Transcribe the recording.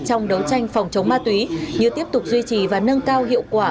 trong đấu tranh phòng chống ma túy như tiếp tục duy trì và nâng cao hiệu quả